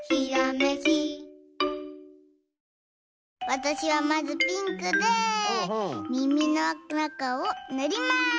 わたしはまずピンクでみみのなかをぬります。